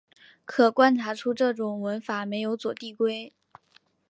可观察出这种文法没有左递归。